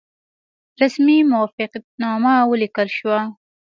رسمي موافقتنامه ولیکل شوه.